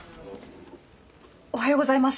おはようございます！